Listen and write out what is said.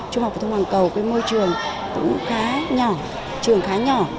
trung học phổ thông hoàng cầu cái môi trường cũng khá nhỏ trường khá nhỏ